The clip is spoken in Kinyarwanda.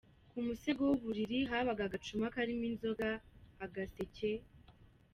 Ku musego w’uburiri, habaga agacuma karimo inzoga, agaseke.